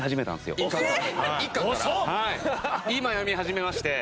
今読み始めまして。